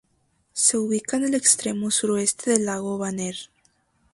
Se ubica en el extremo suroeste del lago Vänern.